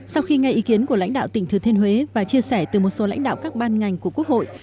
sau khi nghe ý kiến của lãnh đạo tỉnh thừa thiên huế và chia sẻ từ một số lãnh đạo các ban ngành của quốc hội